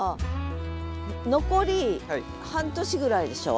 残り半年ぐらいでしょ？